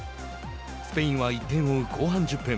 スペインは１点を追う後半１０分。